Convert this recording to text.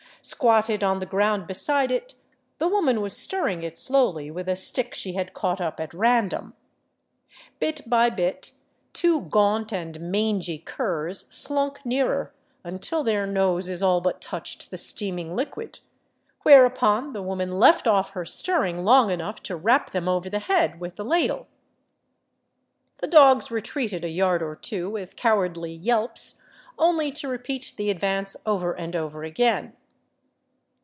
Squatted on the ground beside it, the woman was stirring it slowly with a stick she had caught up at random. Bit by bit two gaunt and mangy curs slunk nearer, until their noses all but touched the steaming liquid, whereupon the woman left off her stir ring long enough to rap them over the head with the ladle. The dogs retreated a yard or two with cowardly yelps, only to repeat the advance over and over again.